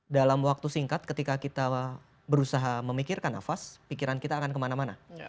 dalam waktu singkat ketika kita berusaha memikirkan nafas pikiran kita akan kemana mana